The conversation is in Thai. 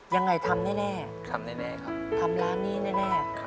ยังไงทำแน่ทำร้านนี้แน่